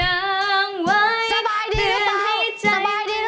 ขึ้นทุกอย่างไว้ตื่นให้ใจดื่ม